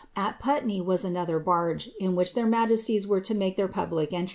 At Putney was so other barge, in which their majesties were to make their public entij.